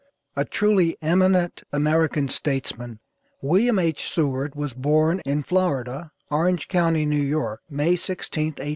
A truly eminent American statesman, William H. Seward, was born in Florida, Orange county, New York, May 16th, 1801.